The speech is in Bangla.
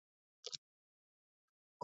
খুব একটা নেই।